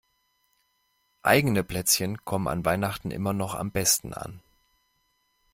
Eigene Plätzchen kommen an Weihnachten immer noch am besten an.